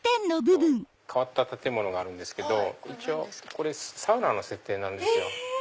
変わった建物があるんですけどこれサウナの設定なんですよ。